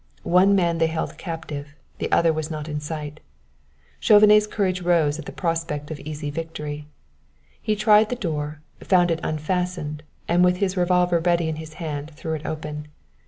One man they held captive; the other was not in sight; Chauvenet's courage rose at the prospect of easy victory. He tried the door, found it unfastened, and with his revolver ready in his hand, threw it open.